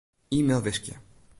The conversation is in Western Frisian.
E-mail wiskje.